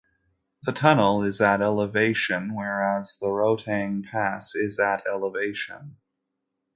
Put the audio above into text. The tunnel is at elevation whereas the Rohtang pass is at elevation.